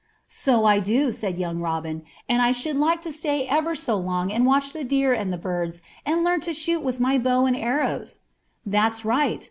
"So I do," said young Robin, "and I should like to stay ever so long and watch the deer and the birds, and learn to shoot with my bow and arrows." "That's right.